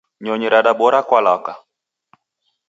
Nyonyi radabora kwa lwaka.